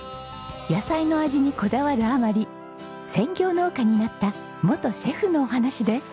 野菜の味にこだわるあまり専業農家になった元シェフのお話です。